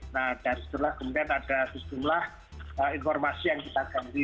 nah dari situlah kemudian ada sejumlah informasi yang kita ganti